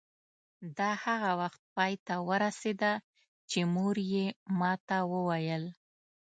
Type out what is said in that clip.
دا هغه وخت پای ته ورسېده چې مور مې ما ته وویل.